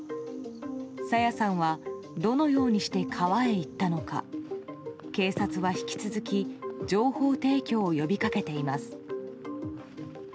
朝芽さんは、どのようにして川へ行ったのか警察は引き続き情報提供を呼びかけています。